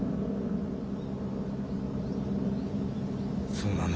そうなの？